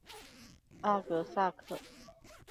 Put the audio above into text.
阿格萨克。